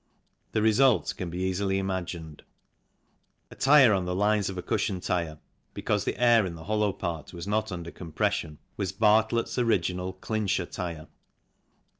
The result can be easily imagined. A tyre on the lines of a cushion tyre, because the air in the hollow part was not under compression, was Bartlett's original Clincher tyre.